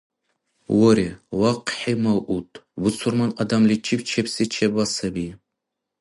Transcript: Вари, вахъхӀи мавъуд, бусурман адамличиб чебси чебла саби.